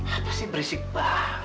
apa sih berisik banget